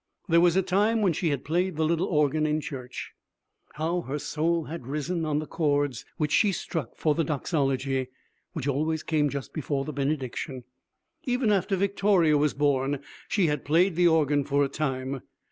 There was a time when she had played the little organ in church. How her soul had risen on the chords which she struck for the Doxology, which always came just before the benediction! Even after Victoria was born, she had played the organ for a time.